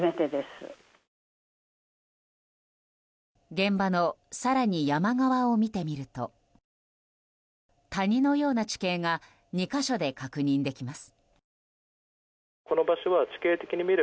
現場の更に山側を見てみると谷のような地形が２か所で確認できます。